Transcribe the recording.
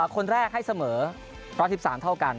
คนแรกให้เสมอ๑๑๓เท่ากัน